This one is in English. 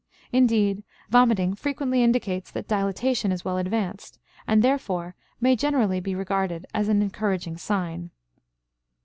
Indeed, vomiting frequently indicates that dilatation is well advanced, and, therefore, may generally be regarded as an encouraging sign.